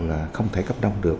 là không thể cấp đông được